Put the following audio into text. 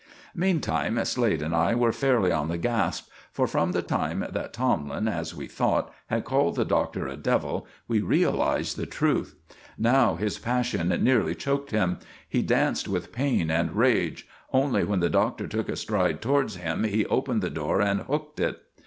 Meantime Slade and I were fairly on the gasp, for from the time that Tomlin, as we thought, had called the Doctor a devil we realized the truth. Now his passion nearly choked him; he danced with pain and rage; only when the Doctor took a stride towards him he opened the door and hooked it.